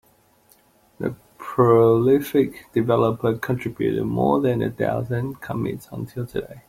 The prolific developer contributed more than a thousand commits until today.